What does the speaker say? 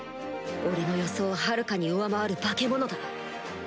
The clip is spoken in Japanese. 俺の予想をはるかに上回る化け物だ